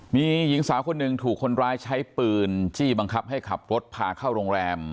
มีหญิงสาวคนหนึ่งถูกคนร้ายใช้ปืนจี้บังคับให้ขับรถพาเข้าโรงแรม